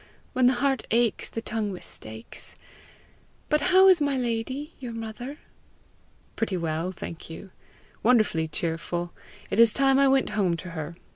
When the heart aches the tongue mistakes. But how is my lady, your mother?" "Pretty well, thank you wonderfully cheerful. It is time I went home to her.